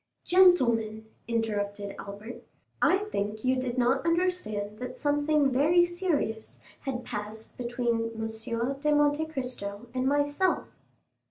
"Gentlemen," interrupted Albert, "I think you did not understand that something very serious had passed between M. de Monte Cristo and myself."